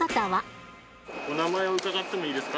お名前を伺ってもいいですか？